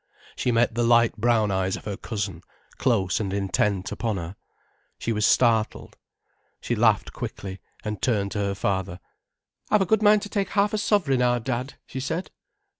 She met the light brown eyes of her cousin, close and intent upon her. She was startled. She laughed quickly, and turned to her father. "I've a good mind to take half a sovereign, our Dad," she said.